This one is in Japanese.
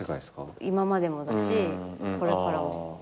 今までもだしこれからも。